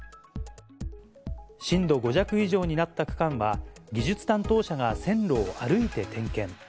震度５弱以上になった区間は、技術担当者が線路を歩いて点検。